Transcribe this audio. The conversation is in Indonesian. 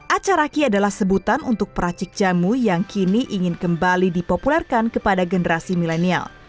acaraki adalah sebutan untuk peracik jamu yang kini ingin kembali dipopulerkan kepada generasi milenial